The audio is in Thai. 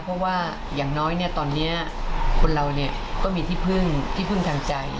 เพราะว่าอย่างน้อยเนี่ยตอนนี้คนเราก็มีที่พึ่งทางใจ